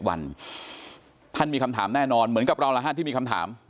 วันท่านมีคำถามแน่นอนเหมือนกับเราที่มีคำถาม